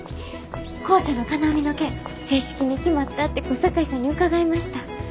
校舎の金網の件正式に決まったって小堺さんに伺いました。